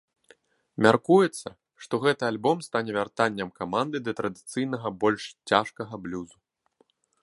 Мяркуецца, што гэты альбом стане вяртаннем каманды да традыцыйнага больш цяжкага блюзу.